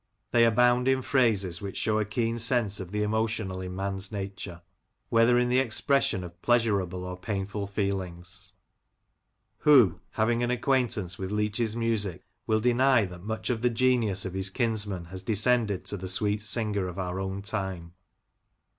They abound in phrases which show a keen sense of the emotional in man*s nature, whether in the expression of pleasurable or painful feelings. Who having an acquaintance with Leach's music will deny y antes Leach^ the Lancashire Composer, 6y that much of the genius of his kinsman has descended to the sweet singer of our own time